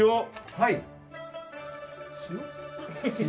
はい。